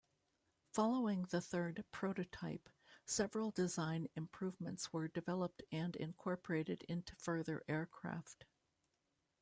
Following the third prototype, several design improvements were developed and incorporated into further aircraft.